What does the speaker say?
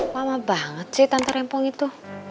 lama banget sih tante rempong itu